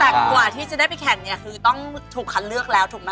แต่กว่าที่จะได้ไปแข่งเนี่ยคือต้องถูกคัดเลือกแล้วถูกไหม